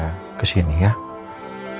kebetulan pak chandra dan bu chandra lagi keluar kota